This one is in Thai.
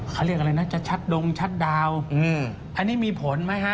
เขาเรียกอะไรนะชัดดงชัดดาวอันนี้มีผลไหมฮะ